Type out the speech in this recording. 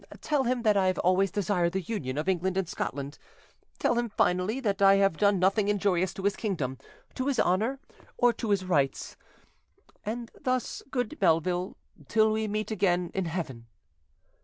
Tell him that I have always desired the union of England and Scotland; tell him, finally, that I have done nothing injurious to his kingdom, to his honour, or to his rights. And thus, good Melville, till we meet again in heaven."